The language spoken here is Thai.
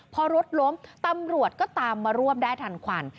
พอรถล้มตำรวจก็ตามมารวบได้ทันควัน